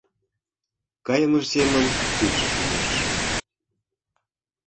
Кайымыж семын кидше шумеш.